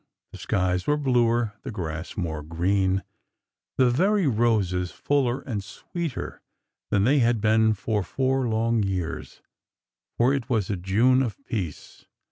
The skies were bluer, the grass more green, the very roses fuller and sweeter than they had been for four long years,— for it was a June of peace.